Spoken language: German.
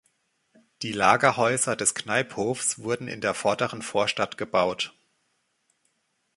Die Lagerhäuser des Kneiphofs wurden in der Vorderen Vorstadt gebaut.